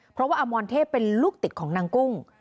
เพราะว่าอมรเทพเป็นลูกติดของนางกุ้ง